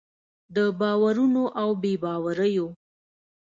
د باورونو او بې باوریو